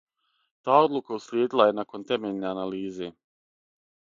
Та одлука услиједила је након темељне анализе.